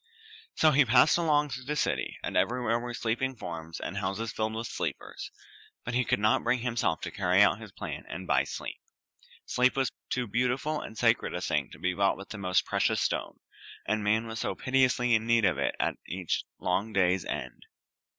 So he passed along through the city, and everywhere were sleeping forms and houses filled with sleepers, but he could not bring himself to carry out his plan and buy sleep. Sleep was too beautiful and sacred a thing to be bought with the most precious stone, and man was so piteously in need of it at each long day's end.